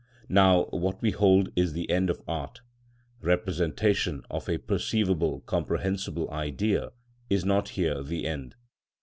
Now, what we hold is the end of art, representation of a perceivable, comprehensible Idea, is not here the end.